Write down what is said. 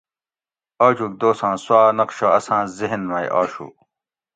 آجوگ دوساں سوآ نقشہ اساں ذھن مئی آشو